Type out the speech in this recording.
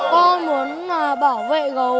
con muốn bảo vệ gấu